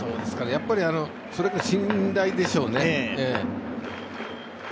やっぱり、それこそ信頼でしょうね。